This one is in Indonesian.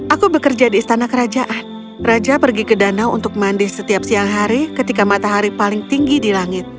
aku bekerja di istana kerajaan raja pergi ke danau untuk mandi setiap siang hari ketika matahari paling tinggi di langit